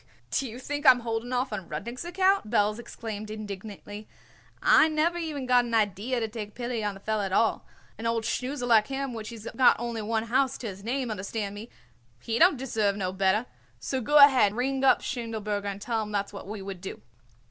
"Do you think I am holding off on Rudnik's account?" Belz exclaimed indignantly. "I never even got an idee to take pity on the feller at all. An old snoozer like him which he's got only one house to his name, understand me, he don't deserve no better. So go ahead and ring up Schindelberger and tell him that's what we would do."